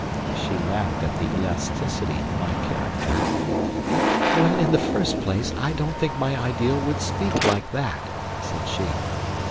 She laughed at the elasticity of my character. "Well, in the first place, I don't think my ideal would speak like that," said she.